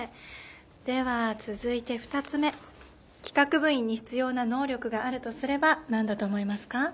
では続いて２つ目企画部員に必要な能力があるとすれば何だと思いますか？